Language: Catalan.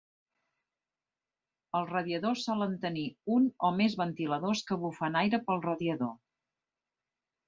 Els radiadors solen tenir un o més ventiladors que bufen aire pel radiador.